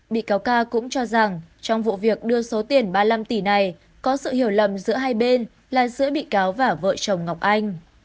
bị cáo ca cũng cho rằng trong vụ việc đưa số tiền ba mươi năm tỷ này có sự hiểu lầm giữa hai bên là giữa bị cáo và vợ chồng ngọc anh